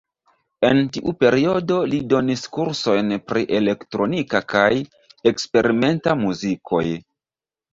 En tiu periodo li donis kursojn pri elektronika kaj eksperimenta muzikoj.